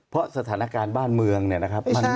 เพราะสถานการณ์บ้านเมืองเนี่ยนะครับ